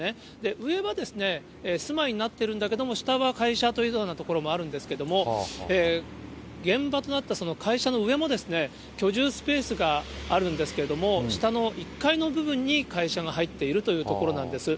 上は住まいになっているんだけれども、下は会社というようなところもあるんですが、現場となった、その会社の上も、居住スペースがあるんですけれども、下の１階の部分に、会社が入っているという所なんです。